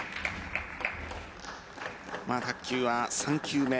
卓球は３球目